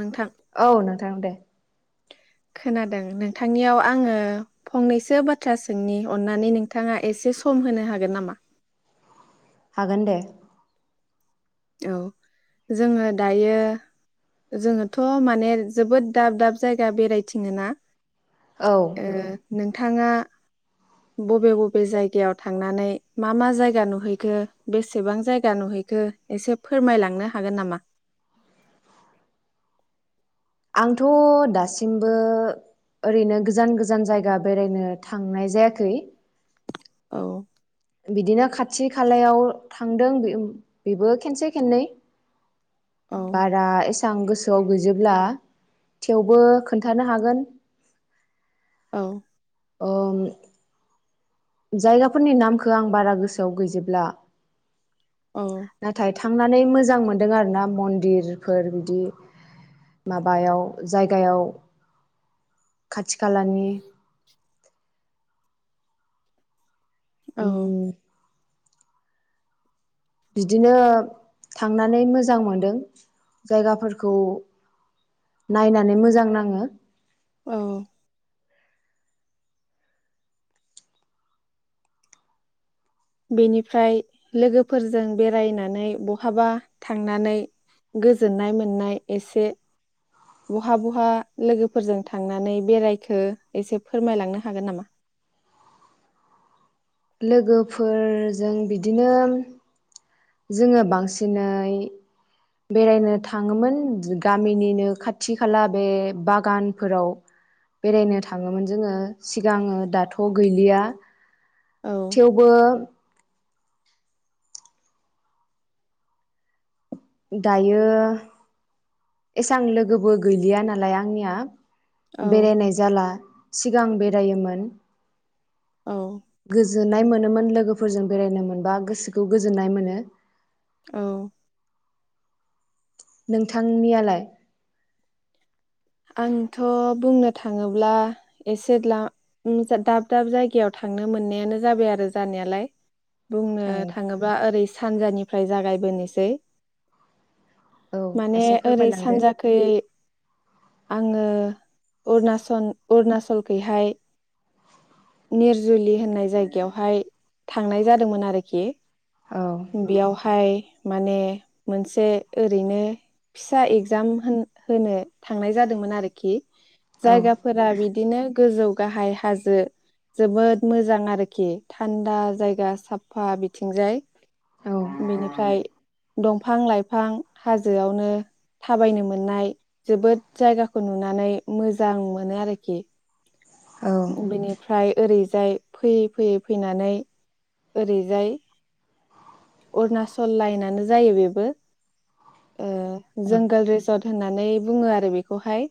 नोंथां औ नोंथां दे खोनादों नोंथांनियाव आङो फंनैसो बाथ्रा सोंनि अन्नानै नोंथाङा एसे सम होनो हागोन नामा हागोन दे औ जोङो दायो जोङोथ' माने जोबोद दाब दाब जायगा बेरायथिङो ना औ ओ नों नोंथाङा बबे बबे जायगायाव थांनानै मा मा जायगा नुहैखो बेसेबां जायगा नुहैखो एसे फोरमायलांनो हागोन नामा आंथ' दासिमबो ओरैनो गोजान गोजान जायगा बेरायनो थांनाय जायाखै औ बिदिनो खाथि खालायाव थांदों बेबो खेनसे खेननै औ बारा एसेबां गोसो गोसोआव गैजोबब्ला थेवबो खोन्थानो हागोन औ ओम जायगाफोरनि नामखौ आं बारा गोसोआव गैजोबब्ला औ नाथायथाय थांनानै मोजां मोनदों आरो ना मन्दिरफोर बिदि माबायाव जायगायाव खाथि खालानि औ बिदिनो थांनानै मोजां मोनदों जायगाफोरखौ नायनानै मोजां नाङो। औ बेनिफ्राय लोगोफोरजों बेरायनानै बहाबा थांनानै गोजोननाय मोननाय एसे बहा बहा लोगोफोरजों थांनानै बेरायखो एसे फोरमायलांनो हागोन नामा? लोगोफोरजों बिदिनो जोङो बांसिनै बेरायनो थाङोमोन गामिनिनो खाथि खाला बे बागानफोराव बेरायनो थाङोमोन जोङो सिगाङो दाथ' गैलिया। औ थेवबो दायो एसां लोगोबो गैलिया नालाय आंनिया औ बेरायनाय जाला। सिगां बेरायोमोन। औ गोजोननाय मोन नोमोन लोगोफोरजों बेरायनो मोनबा गोसोखौ गोजोननाय मोनो। औ नोंथांनियालाय? आंथ' बुंनो थाङोब्ला एसे द्लाम दाब दाब जायगायाव थांनो मोननायानो जाबाय आरो जानायालाय बुंनो औ थाङोब्ला ओरै सानजानिफ्राय जागायबोनोसै। औ माने एसे ओरै फोरमायलांदो सानजाखै आङो अरुनासन अरुणाचलखैहाय निर जुलि होननाय जायगायावहाय थांनाय जादोंमोन आरोखि । औ बेयावहाय माने मोनसे ओरैनो फिसा एगजाम होन-होनो थांनाय जादोंमोन आरोखि। औ जायगाफोरा बिदिनो गोजौ गाहाय हाजो जोबोद मोजां आरोखि थान्दा जायगा साफा बिथिंजाय। औ बेनिफ्राय दंफां लाइफां हाजोआवनो थाबायनो मोननाय। जोबोद जायगाखौ नुनानै मोजां मोनो आरोखि। औ बेनि फ्राय ओरैजाय फैयै फैयै फैनानै ओरैजाय अरुणाचल लाइनानो जायो बेबो ओ जंगोल रिजर्ट होननानै बुङो आरो बेखौहाय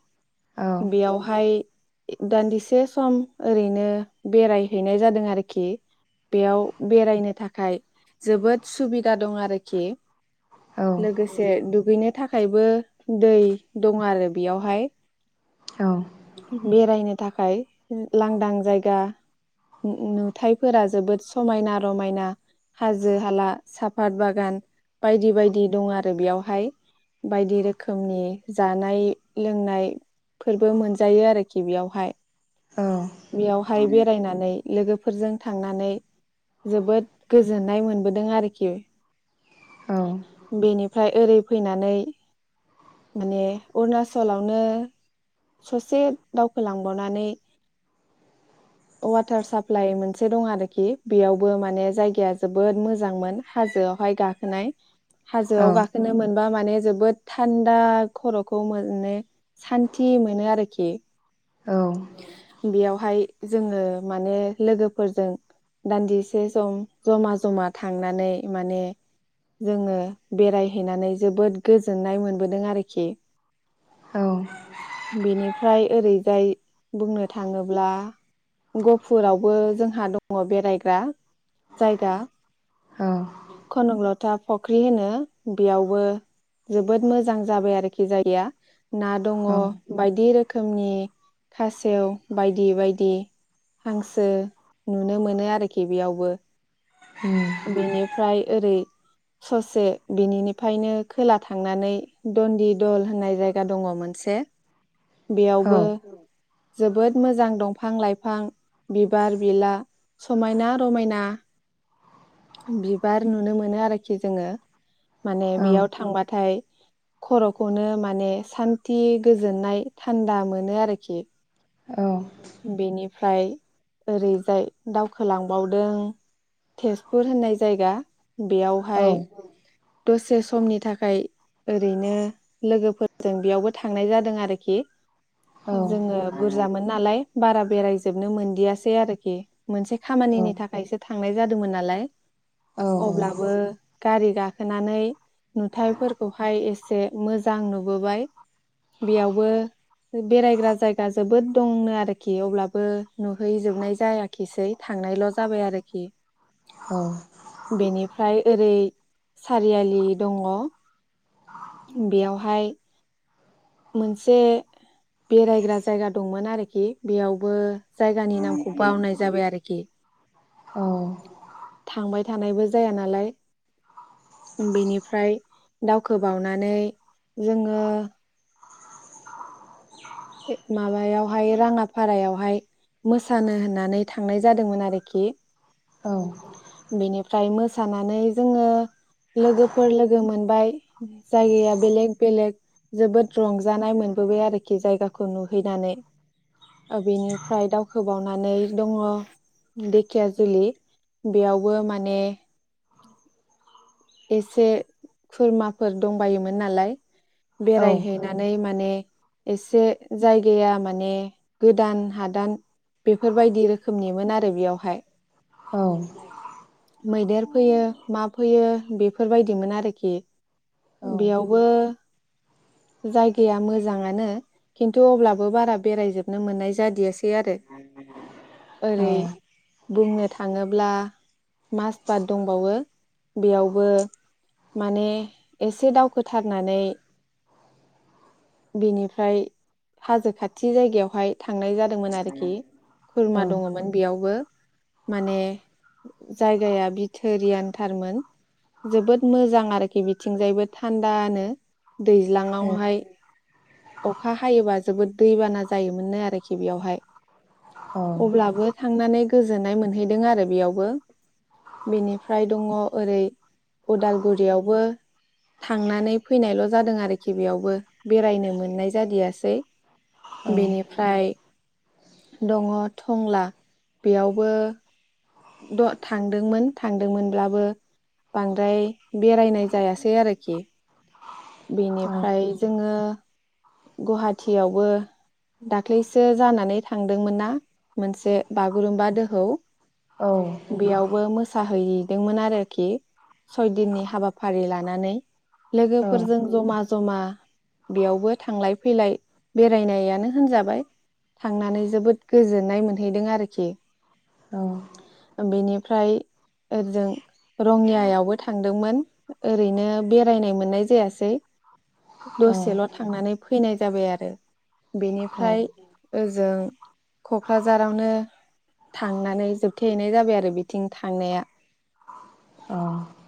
औ बेयावहाय दान्दिसे स म ओरैनो बेरायहैनाय जादों आरोखि बेयाव बेरायनो थाखाय जोबोद सुबिदा दं आरोखि औ लोगोसे दुगैनो थाखायबो दै दं आरो बेयावहाय। औ बेरायनो थाखाय लांदां जायगा नु-नुथायाइफोरा जोबोद समायना रमायना हाजो हाला साफत बागान बायदि बायदि दं आरो बेयावहाय बायदि रोखोमनि जानाय लोंनाय फोरबो मोनजायो आरोखि बेयावहाय। बेयावहाय बेरायनानै लोगोफोरजों थांनानै जोबोद गोजोननाय मोनबोदों आरोखि। औ बेनि फ्राय ओरै फैनानै माने अरुणाचलावनो ससे दावखोलांबावनानै वाटार साप्लााय मोनसे दं आरोखि बेयावबो माने जायगाया जोबोद मोजांमोन हाजोआवहाय गाखोनाय। हाजोआव गाखोनो मोन बा माने जोबोद थान्दा खर'खौे मो-माने सान्थि मोनो आरोखि औ बेयावहाय जोङो माने लोगोफोरजों दान्दिसे सम जमा जमा थांनानै माने जोङो बेरायहैनानै जोबोद गोजोननाय मोनबोदों आरोखि औ बिनि फ्राय ओरैजाय बुंनो थाङोब्ला गफुरावबो जोंहा दङ बेरायग्रा जायगा कनकल'था फख्रि होनो बेयावबो जोबोद मोजां जाबाय आरोखि जायगाया ना दङ उम बायदि रो खोमनि खासेव बायदि बायदि हांसो नुनो मोनो आरोखि बेयावबो औ बेनिफ्राय ओरै ससे बिनिनिफ्रायनो खोला थांनानै दन्दि दल होननाय जायगा दङ मोनसे औ बेयावबो जोबोद मोजां दंफां लाइफां बिबार बिला समायना रमायना बिबार नुनो मोनो आरोखि जोङो माने औ बेयाव थांबाथाय खर'खौनो माने सान्थि गोजोननाय थान्दा मोनो आरोखि औ फ्राय ओरैजाय दावखोलांबावदों टेस पुर होननाय जायगा बेयावहाय औ दसे समनि थाखाय ओरैनो लोगोफोरजों बेयावबो थांनाय जादों आरोखि जोङो बुरजामोन नालाय बारा बेरायजोबनो मोनदियासै आरोखि मोनसे औ खामानिनि थाखायसो थांनाय जादोंमोन नालाय अब्लाबो गारि गाखोनानै नुथायाइफोरखौहाय एसे मोजां नुबोबाय बेयावबो बेरायग्रा जायगा जोबोद दंनो आरोखि अब्लाबो नुहैजोबनाय जायाखिसै थांनायल' जाबाय आरोखि औ फ्राय ओरै सारियालि दङ बेयावहाय मोनसे बेरायग्रा जायगा दंमोन आरोखि बेयावबो जायगानि नामखौ बावनाय जाबाय आरोखि थांबाय थानायबो जाया नालाय बेनिफ्राय दावखोबावनानै जोङो माबायावहाय राङाफारायावहाय मोसानो होननानै थांनाय जादोंमोन आरोखि बिनि फ्राइ मोसानानै जोङो लोगोफोर लोगो मोनबाय जायगाया बेलेग बेलेग जोबोद रंजा जानाय मोनबोबाय आरोखि जायगाखौ खौ नुहैनानै ओ बेनिफ्राय दावखोबावनानै दङ देखियाजुलि बेयावबो माने एसे खुरमाफोर दंबायोमोन नालाय बेरायहैनानै माने एसे जायगाया माने गोदान हादान बेफोरबायदि रोखोमनिमोन आरो बेयावहाय औ मैदेर फोयो मा फोयो। बेफोरबायदिमोन आरोखि बेयावबो जायगाया मोजाङानो खिन्थु अब्लाबो बारा बेरायजोबनो मोननाय जादियासै आरो। ओरै बुंनो थाङोब्ला माजबाद दंबावो बेयाव बो माने एसे दावखोथारनानै बिनिफ्राय हाजो खाथि जायगायावहाय थांनाय जादोंमोन आरोखि खुरमा दङमोन बेयावबो माने जायगाया बिथोरियानथारमोन। जोबोद मोजां आरोखि बिथिंजायबो थान्दानो। औ दैज्लाङावहाय अखा हायोबा जोबोद दैबाना जायोमोननो आरोखि बेयावहाय औ अब्लाबो थांनानै गोजोननाय मोनहैदों आरो बेयावबो बेनिफ्राय दङ ओरै उदालगुरियावबो थांनानै फैनायल' जादों आरोखि बेयावबो बेरायनो मोननाय जादियासै। औ बेनिफ्राय दङ थंला बेयावबो द थांदोंमोन थांदोंमोनब्लाबो बांद्राय बेरायनाय जायासै आरोखि। बेनिफ्राय जोङो गुवाहाटियावबो दाख्लैसो जानानै थांदोंमोन ना मोनसे बागुरुम्बा दोहौ। बेयावबो मो साहैदोंमोन आरोखि सयदिननि हाबाफारि लानानै लोगो फोरजों जोंनिथिं जमा जमा बेयावबो थांलाय फैलाय बेरायनायानो होनजाबाय थांनानै जोबोद गोजोननाय मोनहैदों आरोखि ओ बिनिफ्राय ओ जों रङियायावबो थांदोंमोन ओरैनो बेरायनाय मोननाय जायासै। दसेल' थांनानै फैनाय जाबाय आरो। बेनिफ्राय ओजों क'क्राझारावनो थांनानै जोबथेहैनाय जाबाय आरो बिथिं थांनाया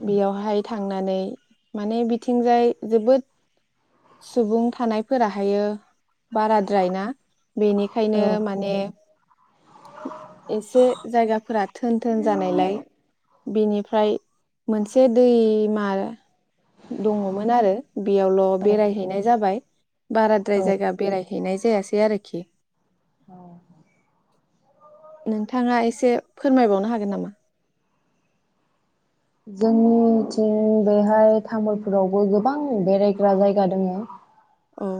बेयावहाय थांनानै माने बि बिथिंजाय जोबोद सुबुं थानायफोराहायो बाराद्रायना। बेनिखायनो माने एसे जायगाफोरा थोन थोन जानायलाय बेनिफ्राय मोनसे दैमा दङमोन आरो बेयावल' बेरायहैनाय जाबाय बाराद्राय जायगा बेरायहैनाय जायासै आरोखि। बुं उम बेहाय तामुल रावबो गोबां बेरायग्रा जायगा दङ। औ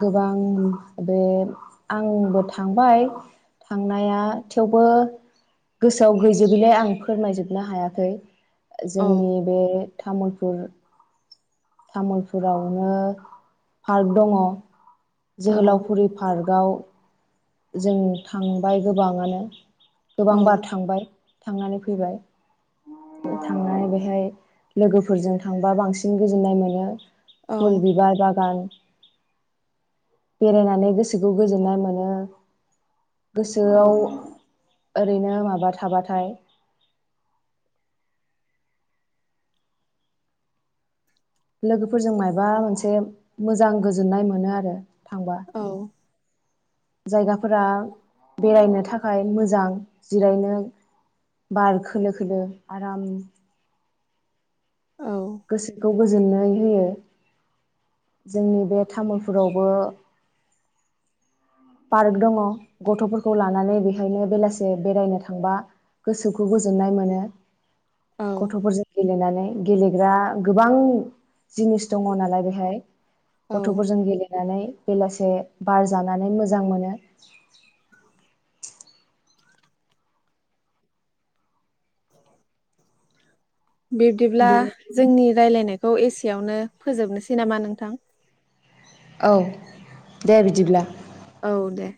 गोबां बे आंबो थांबो थांबाय थांनाया थेवबो गोसोआव गैजुबिलाय आं फोरमायजुबनो हायाखै। औ जोंनि बे तामुलपुर तामुलपुरावनो पार्क दङ। औ जोहोलावफुरि पार्कआव जों थांबाय गोबाङानो। औ गोबां बार थांबाय। थांनानै फैबाय। औ फुल बिबार बागान बेरायनानै गोसोखौ गोजोननाय मोनो। गोसोआव ओरैनो माबा थाबाथाय लोगोफोरजों मायबा मोनसे मोजां गोजोननाय मोनो आरो। थांबा औ। जायगाफोरा बेरायनो थाखाय मोजां जिरायनो बार खोलो खोलो आराम गोसोखौ गोजोननाय होयो। जोंनि बे तामुलफुरावबो पार्क दङ गथ'फोरखौ लानानै बिहायनो बेलासे बेरायनो थांबा गोसोखौ गोजोननाय मोनो। औ गथ'फोरजों गेलेनानै। गेलेग्रा गोबां जिनिस दङ नालाय बेहाय औ गथ'फोरजों गेलेनानै बेलासे बार जानानै मोज मोजां मोनो [inaudible] बिब्दिब्ला बेनि जोंनि रायलायनायख खौ एसेयावनो फोजोबनोसै नामा नोंथां? औ दे बिदिब्ला। औ दे।